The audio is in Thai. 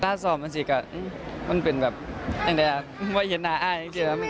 อันสอบมันสิก่ะมันเป็นแบบยังไงอ่ะวันเย็นหน้าอาย